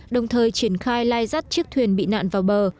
đồng thời triển khai lai rắt chiếc thuyền bị nạn vào bờ